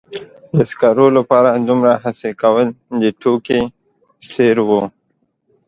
د سکرو لپاره دومره هڅې کول د ټوکې په څیر و.